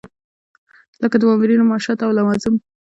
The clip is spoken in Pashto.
لکه د مامورینو معاشات او لوازم.